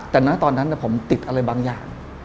แต่ณตอนนั้นผมติดอะไรบางอย่าง